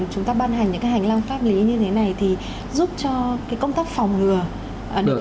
chúng ta ban hành những hành lang pháp lý như thế này thì giúp cho công tác phòng ngừa hiệu quả hơn